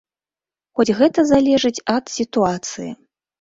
Хоць гэта залежыць ад сітуацыі.